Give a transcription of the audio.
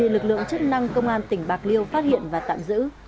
lực lượng chức năng công an tỉnh bạc liêu phát hiện và tạm giữ